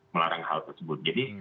melarang hal tersebut jadi